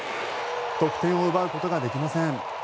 得点を奪うことができません。